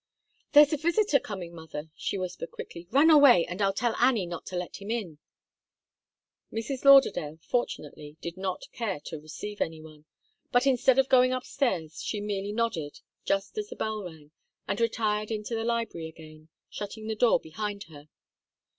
"There's a visitor coming, mother!" she whispered quickly. "Run away, and I'll tell Annie not to let him in." Mrs. Lauderdale, fortunately, did not care to receive any one, but instead of going upstairs she merely nodded, just as the bell rang, and retired into the library again, shutting the door behind her.